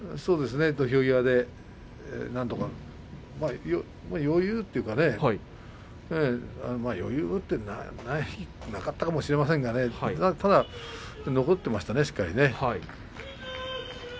土俵際でなんとか余裕というか余裕はなかったかもしれませんが残っていましたね、しっかりと。